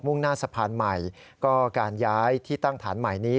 ่งหน้าสะพานใหม่ก็การย้ายที่ตั้งฐานใหม่นี้